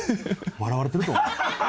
笑われてるぞ。